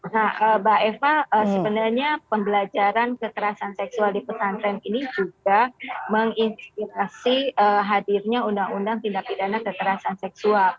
nah mbak eva sebenarnya pembelajaran kekerasan seksual di pesantren ini juga menginspirasi hadirnya undang undang tindak pidana kekerasan seksual